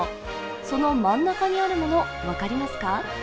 その真ん中にあるもの、分かりますか？